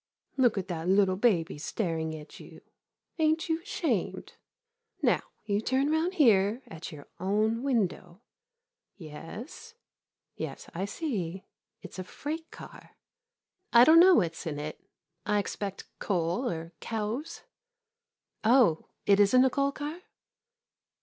Look at that little baby staring at you — ain't you 'shamed? Now, you turn round here at your own window. Yes — yes, I see — it 's a freight car. I don't know what 's in it — I expect coal — or cows. Oh, is n't it a coal car